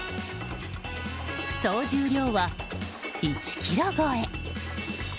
総重量は１ｋｇ超え。